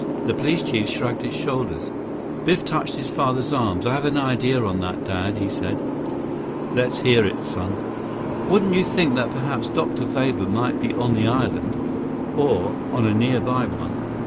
The police chief shrugged his shoulders. Biff touched his father's arm. "I have an idea on that, Dad," he said. "Let's hear it, son." "Wouldn't you think that perhaps Dr. Weber might be on the island, or on a nearby one?